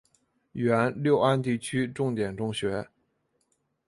原六安地区重点中学。